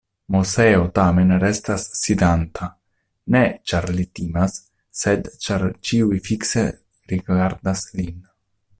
Moseo tamen restas sidanta, ne ĉar li timas, sed ĉar ĉiuj fikse rigardas lin.